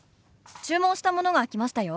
注文したものが来ましたよ。